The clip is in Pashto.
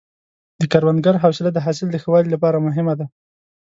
د کروندګر حوصله د حاصل د ښه والي لپاره مهمه ده.